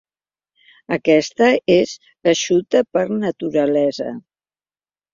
Aquesta és eixuta per naturalesa.